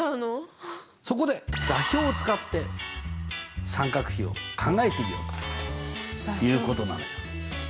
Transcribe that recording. そこで座標を使って三角比を考えてみようということなのよ。